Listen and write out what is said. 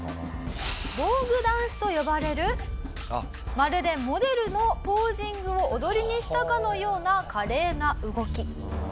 ヴォーグダンスと呼ばれるまるでモデルのポージングを踊りにしたかのような華麗な動き。